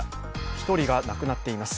１人が亡くなっています。